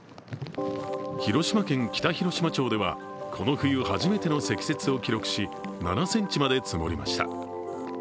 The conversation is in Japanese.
広島県北広島町ではこの冬初めての積雪を記録し７ｃｍまで積もりました。